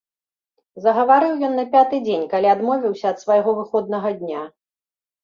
Загаварыў ён на пяты дзень, калі адмовіўся ад свайго выходнага дня.